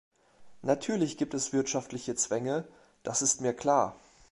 Natürlich gibt es wirtschaftliche Zwänge, das ist mir klar.